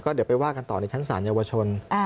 เดี๋ยวไปว่ากันต่อในชั้นศาลเยาวชน